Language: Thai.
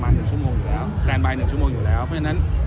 งานประมาณหนึ่งชั่วโมงอยู่แล้วหนึ่งชั่วโมงอยู่แล้วเพราะฉะนั้น